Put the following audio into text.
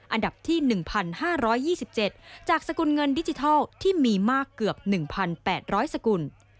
อันดับที่๑๕๒๗จากสกุลเงินดิจิทัลที่มีมากเกือบ๑๘๐๐สกุล